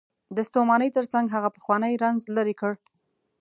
د ستومانۍ تر څنګ هغه پخوانی رنځ لرې کړ.